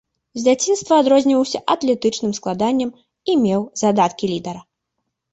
З дзяцінства адрозніваўся атлетычных складаннем і меў задаткі лідара.